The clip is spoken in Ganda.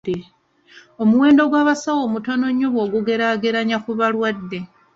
Omuwendo gw'abasawo mutono nnyo bw'ogugeraageranya ku balwadde.